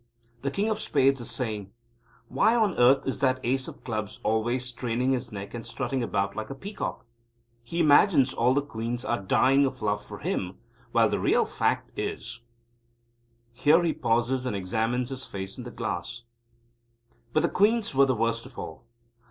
The King of Spades is saying; "Why on earth is that Ace of Clubs always straining his neck and strutting about like a peacock? He imagines all the Queens are dying of love for him, while the real fact is " Here he pauses, and examines his face in the glass. But the Queens were the worst of all.